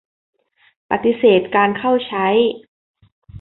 ปฏิเสธการเข้าใช้.